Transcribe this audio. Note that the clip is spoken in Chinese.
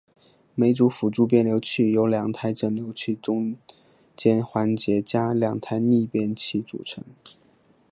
每组辅助变流器由两台整流器加中间环节加两台逆变器组成。